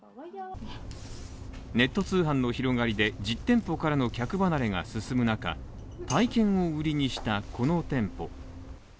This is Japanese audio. ネット通販の広がりで実店舗からの客離れが進む中、体験を売りにしたこの店舗。